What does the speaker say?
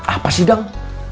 apa sih dong